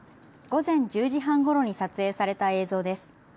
午前１０時半ごろに撮影された映像です。